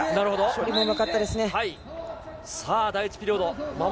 処理もうまかったですね。